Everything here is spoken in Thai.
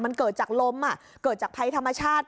มันเกิดจากลมเกิดจากภัยธรรมชาติ